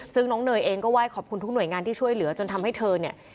ซึ่งน้องเนยเองก็ไหว้ขอบคุณทุกหน่วยงานที่ช่วยเหลือจนทำให้เธอเนี่ย